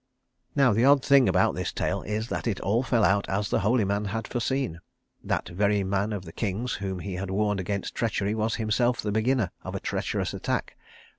Now the odd thing about this tale is that it all fell out as the holy man had foreseen. That very man of the king's whom he had warned against treachery was himself the beginner of a treacherous attack.